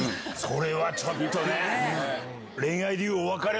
それはちょっとね。